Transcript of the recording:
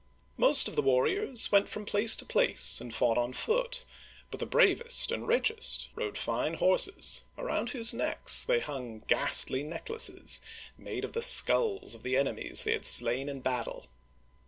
Most of the warriors went from place to place and fought on foot; but the bravest and richest rode fine horses, around whose necks they hung ghastly necklaces, made of the skulls of the enemies they had slain in battle.